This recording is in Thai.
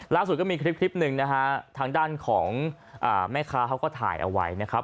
ล่าสุดก็มีคลิปคลิปหนึ่งนะฮะทางด้านของแม่ค้าเขาก็ถ่ายเอาไว้นะครับ